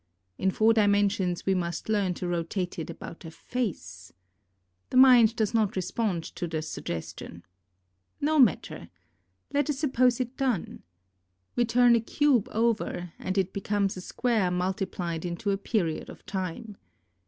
In four dimensions we must learn to rotate it about a face. The mind does not respond to the suggestion. No matter. Let us suppose it done. We turn a cube over, and it becomes a square multiplied into a period of time.